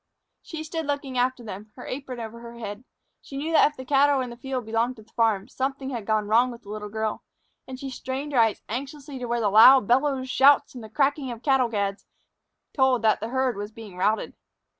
She stood looking after them, her apron over her head. She knew that if the cattle in the field belonged to the farm, something had gone wrong with the little girl; and she strained her eyes anxiously to where loud bellows, shouts, and the cracking of cattle gads told that the herd was being routed.